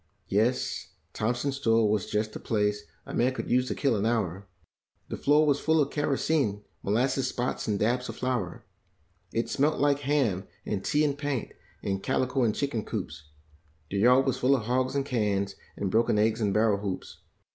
Yes, Thompson's store was just the place a man could use to kill an hour; Hie floor was full of kerosene, molasses spots and dabs of flour; It smelt like ham and tea and paint, and calico and chicken coops; The yard was full of hogs and cans and broken eggs anl barrel hoops.